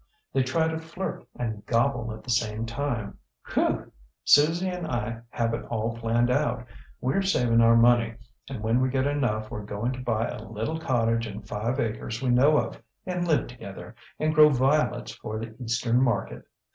They try to flirt and gobble at the same time. Whew! Susie and I have it all planned out. WeŌĆÖre saving our money, and when we get enough weŌĆÖre going to buy a little cottage and five acres we know of, and live together, and grow violets for the Eastern market.